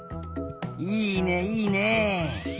いいねいいね。